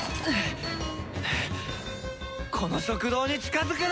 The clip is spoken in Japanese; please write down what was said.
この食堂に近づくな！